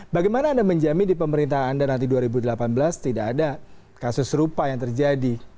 bagaimana anda menjamin di pemerintah anda nanti dua ribu delapan belas tidak ada kasus serupa yang terjadi